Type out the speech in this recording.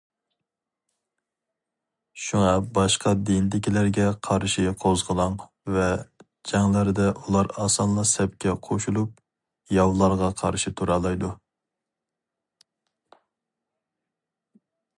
شۇڭا باشقا دىندىكىلەرگە قارشى قوزغىلاڭ ۋە جەڭلەردە ئۇلار ئاسانلا سەپكە قوشۇلۇپ ياۋلارغا قارشى تۇرالايدۇ.